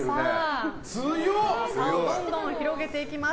差をどんどん広げていきます。